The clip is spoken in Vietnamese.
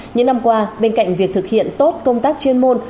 những năm qua bên cạnh việc thực hiện tốt công tác chuyên môn